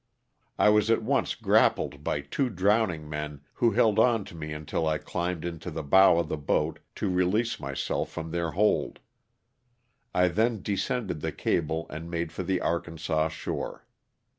I was at once grappled by two drowning men who held on to me until I climbed into the bow of the boat to release myself from their hold. I then descended the cable and made for the Arkansas shore.